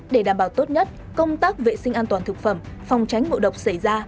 để đảm bảo tốt nhất công tác vệ sinh an toàn thực phẩm phòng tránh ngộ độc xảy ra